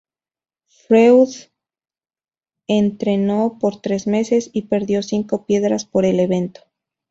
Freud entrenó por tres meses y perdió cinco piedras por el evento.